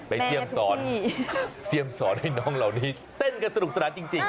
เสี่ยมสอนเยี่ยมสอนให้น้องเหล่านี้เต้นกันสนุกสนานจริง